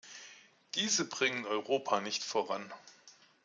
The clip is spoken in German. Diese bringen Europa nicht voran.